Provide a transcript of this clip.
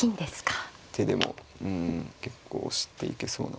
手でもうん結構押していけそうな。